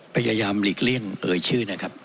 พยายามหลีกเลี่ยงเอ่ยชื่อนะครับ